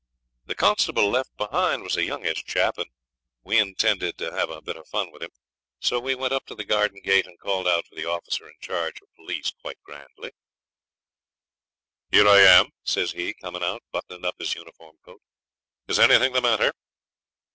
The constable left behind was a youngish chap, and we intended to have a bit of fun with him. So we went up to the garden gate and called out for the officer in charge of police quite grand. 'Here I am,' says he, coming out, buttoning up his uniform coat. 'Is anything the matter?'